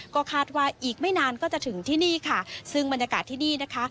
ก็คาดว่าอีกไม่นานก็จะถึงที่นี่ค่ะซึ่งบรรยากาศที่นี่นะคะ